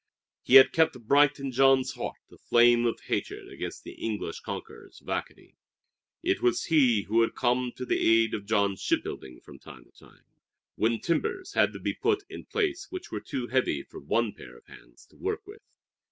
He had kept bright in Jean's heart the flame of hatred against the English conquerors of Acadie. It was he who had come to the aid of Jean's shipbuilding from time to time, when timbers had to be put in place which were too heavy for one pair of hands to work with.